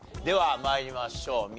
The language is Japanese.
では参りましょう。